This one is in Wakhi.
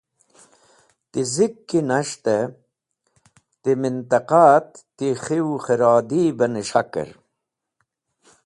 Ti zik ki nas̃htẽ ti mentẽqat ti khew khẽradi bẽ nẽs̃hkẽr.